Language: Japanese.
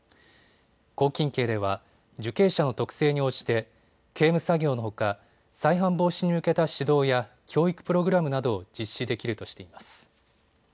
拘禁刑では受刑者の特性に応じて刑務作業のほか再犯防止に向けた指導や教育プログラムなどを実施できるとしています。